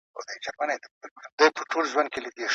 استازي څنګه مجلس ته لاره پیدا کوي؟